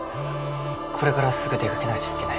これからすぐ出かけなくちゃいけない。